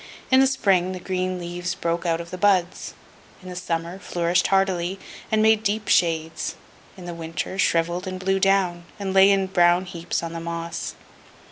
In the spring, the green leaves broke out of the buds; in the summer, flourished heartily, and made deep shades; in the winter, shrivelled and blew down, and lay in brown heaps on the moss.